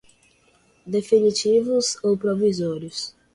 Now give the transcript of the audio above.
definitivos ou provisórios.